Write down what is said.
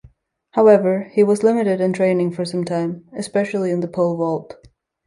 However, he was limited in training for some time, especially in the pole vault.